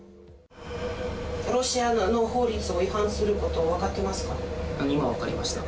ロシアの法律に違反すること今分かりました。